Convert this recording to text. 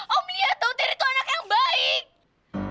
om lihat dong terry tuh anak yang baik